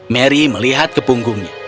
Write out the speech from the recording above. mary melihat ke punggungnya